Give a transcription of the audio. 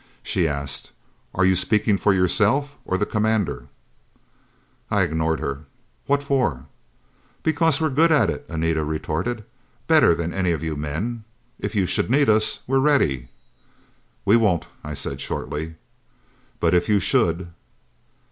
She asked, "Are you speaking for yourself or the Commander?" I ignored her. "What for?" "Because we're good at it," Anita retorted. "Better than any of you men. If you should need us, we're ready...." "We won't!" I said shortly. "But if you should...."